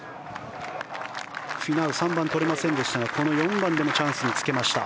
フィナウ３番はとれませんでしたがこの４番でもチャンスにつけました。